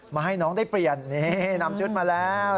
มาให้น้องได้เปลี่ยนนี่นำชุดมาแล้ว